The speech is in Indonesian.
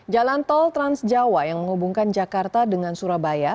jalan tol transjawa yang menghubungkan jakarta dengan surabaya